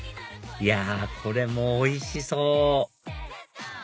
いやこれもおいしそう！